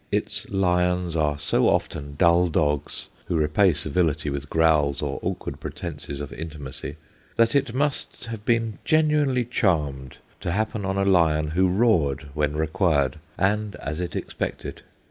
Its lions are so often dull dogs, who repay civility with growls or awkward pretences of intimacy, that it must have been genuinely charmed to happen on a lion who roared when required and as it expected.